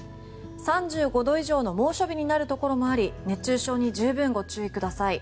３５度以上の猛暑日になるところもあり熱中症に十分ご注意ください。